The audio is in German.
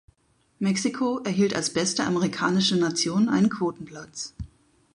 Mexiko erhielt als beste amerikanische Nation einen Quotenplatz.